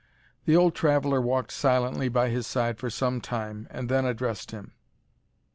The old traveller walked silently by his side for some time, and then addressed him.